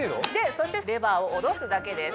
そしてレバーを下ろすだけです。